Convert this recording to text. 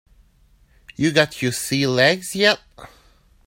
You got your sea legs yet?